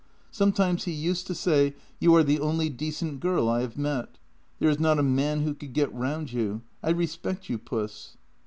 Sometimes he used to say: ' You are the only decent girl I have met. There is not a man who could get round you. I respect you, puss.